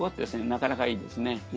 なかなかいいですね。